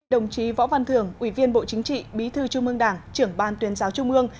đồng chí võ văn thường ủy viên bộ chính trị bí thư trung ương đảng trưởng ban tuyên giáo trung ương